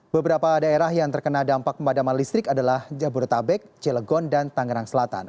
beberapa daerah yang terkena dampak pemadaman listrik adalah jabodetabek cilegon dan tangerang selatan